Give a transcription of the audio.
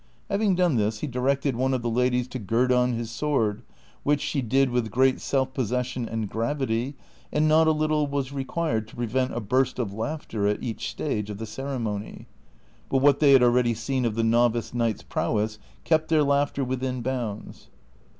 Hav ing done this, he directed one of the ladies to gird on his sword, which she did with great self possession and gravity, and not a little was required to prevent a burst of laughter at each stage of the ceremony ; but what they had already seen of the novice knight's prowess kept their laughter within bounds.